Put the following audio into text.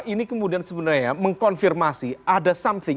ini kemudian sebenarnya mengkonfirmasi ada something